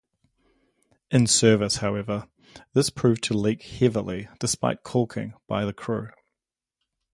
In service, however, this proved to leak heavily, despite caulking by the crew.